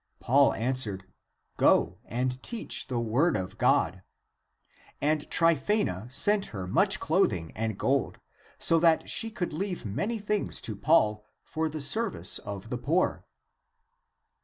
Paul answered, " Go, and teach the word of God." And Tryphsena sent her much clothing and gold, so that she could leave many things to Paul for the service of the poor.